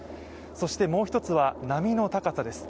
そしてもう１つは波の高さです。